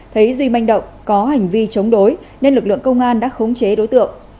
thấy duy manh động có hành vi chống đối nên lực lượng công an đã khống chế đối tượng